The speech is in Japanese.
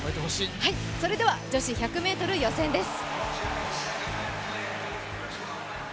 それでは女子１００ｍ予選です。